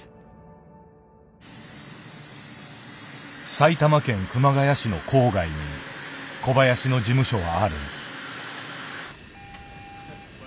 埼玉県熊谷市の郊外に小林の事務所はある。